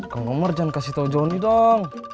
kamu ngomong jangan kasih tau johnny dong